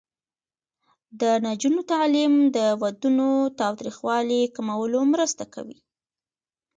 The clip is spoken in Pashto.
د نجونو تعلیم د ودونو تاوتریخوالي کمولو مرسته کوي.